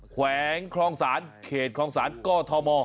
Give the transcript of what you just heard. แขวงคลองศาลเขตคลองศาลกธม